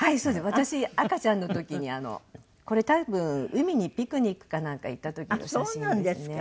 私赤ちゃんの時にこれ多分海にピクニックかなんか行った時の写真ですね。